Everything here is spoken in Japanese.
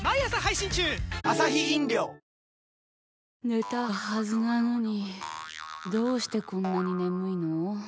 寝たはずなのにどうしてこんなに眠いの。